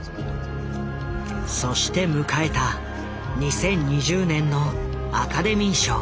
そして迎えた２０２０年のアカデミー賞。